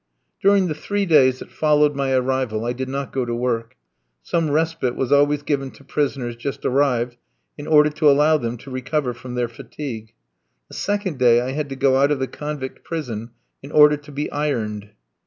During the three days that followed my arrival, I did not go to work. Some respite was always given to prisoners just arrived, in order to allow them to recover from their fatigue. The second day I had to go out of the convict prison in order to be ironed.